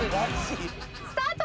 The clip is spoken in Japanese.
スタート。